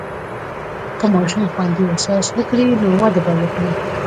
که ماشوم خوندي احساس وکړي، نو وده به وکړي.